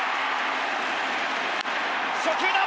初球だ！